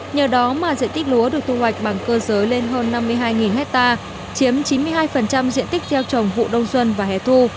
nhờ đó mà diện tích lúa được thu hoạch bằng cơ giới lên hơn năm mươi hai hectare chiếm chín mươi hai diện tích gieo trồng vụ đông xuân và hẻ thu